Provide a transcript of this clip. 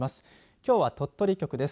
きょうは鳥取局です。